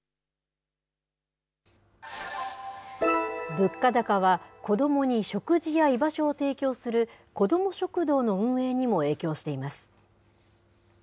物価高は、子どもに食事や居場所を提供する、子ども食堂の運営にも影響しています。